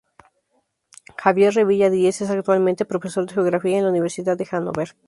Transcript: Javier Revilla-Díez es actualmente profesor de Geografía en la Universidad de Hanóver.